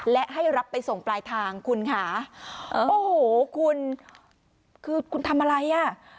และให้รับไปส่งปลายทางคุณค่ะโอ้โหคุณคือคุณทำอะไรอ่ะ